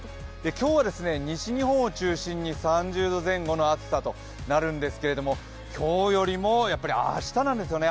今日は西日本を中心に３０度前後の暑さとなるんですけれども今日よりも明日なんですよね、